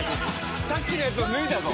さっきのやつを脱いだぞ！」